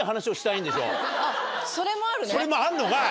それもあんのかい！